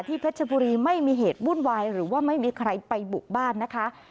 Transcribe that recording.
เพชรบุรีไม่มีเหตุวุ่นวายหรือว่าไม่มีใครไปบุกบ้านนะคะ